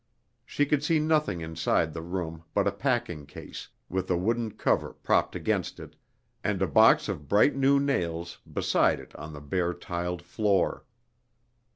She could see nothing inside the room but a packing case, with a wooden cover propped against it, and a box of bright new nails beside it on the bare, tiled floor.